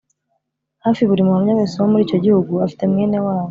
Hafi buri Muhamya wese wo muri icyo gihugu afite mwene wabo